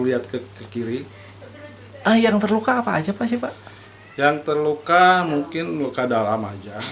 lihat ke kiri yang terluka apa aja pasti pak yang terluka mungkin luka dalam aja